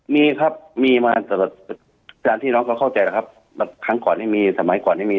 มีครับมีมาแต่อันที่น้องเขาเข้าใจแหละครับแบบทั้งก่อนให้มีสมัยก่อนให้มี